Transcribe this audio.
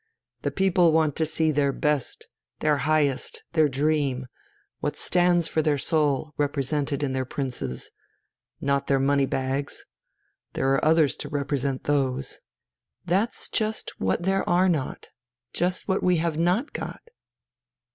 The people want to see their best, their highest, their dream, what stands for their soul, represented in their princes not their money bags. There are others to represent those...." "That's just what there are not; just what we have not got."